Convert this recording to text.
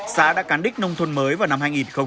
xã đã cán đích nông thuần mới vào năm hai nghìn một mươi chín